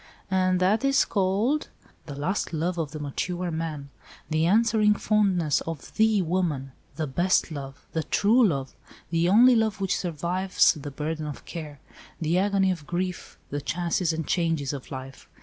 "And that is called—?" "The last love of the mature man—the answering fondness of the woman—the best love—the true love—the only love which survives the burden of care, the agony of grief, the chances and changes of life.